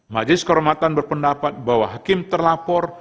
majlis kormatan berpendapat bahwa hakim terlapor